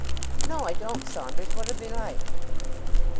"No, I don't, Saunders. What are they like?"